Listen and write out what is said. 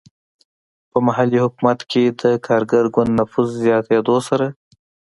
په محلي حکومت کې د کارګر ګوند نفوذ زیاتېدو سره.